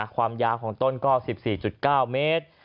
ความยาวของต้นก็๑๔๙เมตร